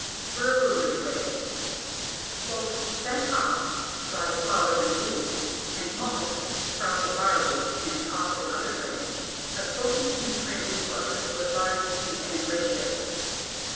Brewery wastes. Both spent hops (dried flowers and leaves) and malt (sprouted barley and often other grains) are potent nutrient sources with low C/N ratios.